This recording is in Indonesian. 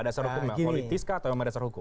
dasar hukumnya politis kah atau yang dasar hukum